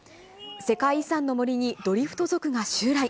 世界遺産の森にドリフト族が襲来。